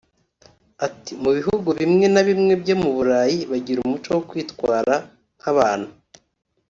Ati” Mu bihugu bimwe na bimwe byo mu Burayi bagira umuco wo kwitwara nk’abantu